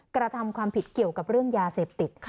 กระทำความผิดเกี่ยวกับเรื่องยาเสพติด